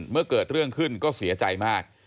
เมื่อเกิดเรื่องขึ้นก็เสียใจมาก